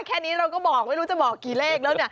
แค่นี้เราก็บอกไม่รู้จะบอกกี่เลขแล้ว